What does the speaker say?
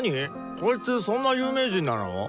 こいつそんな有名人なの？